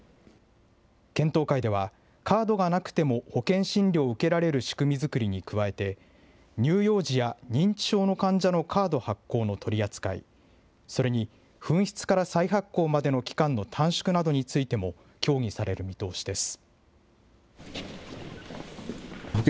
検討会では、カードがなくても保険診療を受けられる仕組み作りに加えて、乳幼児や認知症の患者のカード発行の取り扱い、それに紛失から再発行までの期間の短縮などについても協議される見通しです。